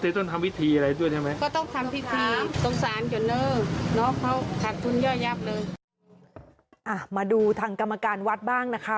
เขาถัดทุนย่อแยบเลยอ่ะมาดูทางกรรมการวัดบ้างนะคะ